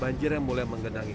banjir yang mulai menggenangi